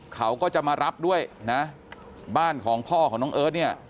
เขาก็จะมารับด้วยนะบ้านของพ่อของน้องเอิร์ทเนี่ย